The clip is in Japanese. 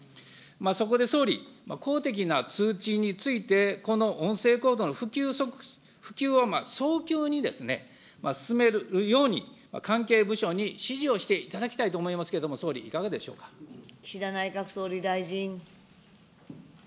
そこで総理、公的な通知について、この音声コードの普及を早急に進めるように、関係部署に指示をしていただきたいと思いますが、総理、いかがで岸田内閣総理大臣。